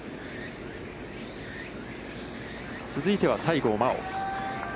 続いては西郷真央。